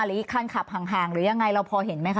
อีกคันขับห่างหรือยังไงเราพอเห็นไหมคะ